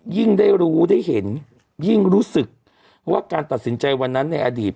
ยิ่งได้รู้ได้เห็นยิ่งรู้สึกว่าการตัดสินใจวันนั้นในอดีต